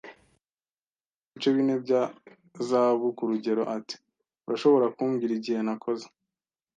cyangwa ibice bine bya zahabu kurugero. Ati: “Urashobora kumbwira igihe nakoze